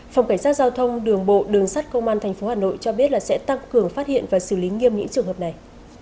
phòng cảnh sát giao thông đường bộ đường sát công an tp hà nội cho biết là sẽ tăng cường phát hiện và xử lý nghiêm những trường hợp này